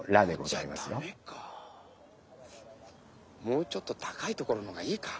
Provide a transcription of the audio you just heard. もうちょっと高いところの方がいいか。